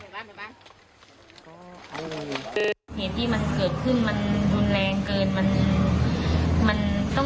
เห็นที่มันเกิดขึ้นมันรุนแรงเกิน